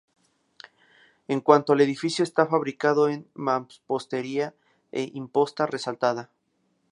En cuanto al edificio está fabricado en mampostería e imposta resaltada.